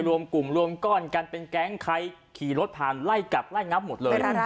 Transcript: รวมกลุ่มรวมก้อนกันเป็นแก๊งใครขี่รถผ่านไล่กัดไล่งับหมดเลย